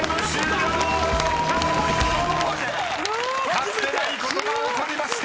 ［かつてないことが起こりました。